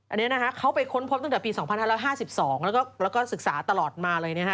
อันนี้นะคะเขาไปค้นพบตั้งแต่ปี๒๕๕๒แล้วก็ศึกษาตลอดมาเลยนะฮะ